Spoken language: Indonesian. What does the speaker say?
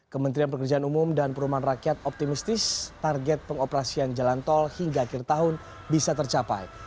kementerian pekerjaan umum dan perumahan rakyat optimistis target pengoperasian jalan tol hingga akhir tahun bisa tercapai